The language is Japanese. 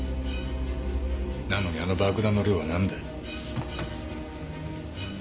なのにあの爆弾の量はなんだ？